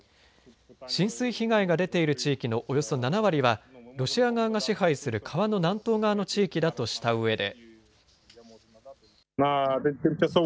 浸水被害が出ている地域のおよそ７割はロシア側が支配する川の南東側の地域だとしたうえで。